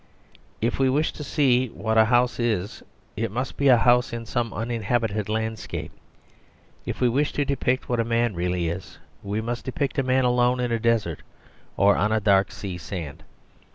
If we wish to see what a house is it must be a house in some uninhabited landscape. If we wish to depict what a man really is we must depict a man alone in a desert or on a dark sea sand.